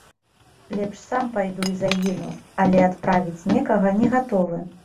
Лепш сам пайду і загіну, але адправіць некага не гатовы.